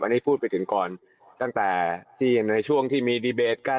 อันนี้พูดไปถึงก่อนตั้งแต่ที่ในช่วงที่มีดีเบตกัน